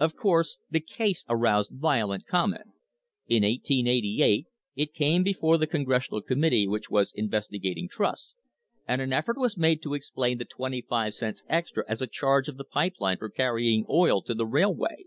Of course the case aroused violent comment. In 1888 it came before the Congressional Committee which was inves tigating trusts, and an effort was made to explain the twenty five cents extra as a charge of the pipe line for carrying oil to the railway.